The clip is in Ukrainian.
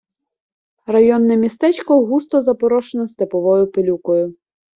Районне містечко густо запорошене степовою пилюкою.